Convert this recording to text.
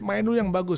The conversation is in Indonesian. menu yang bagus